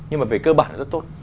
nhưng mà về cơ bản nó rất tốt